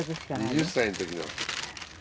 ２０歳の時の手帳。